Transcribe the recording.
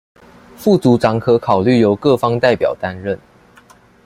副組長可考慮由各方代表擔任